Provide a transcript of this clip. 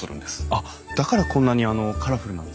あっだからこんなにカラフルなんですか。